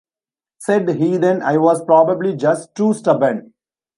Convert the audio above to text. Said Heiden I was probably just too stubborn.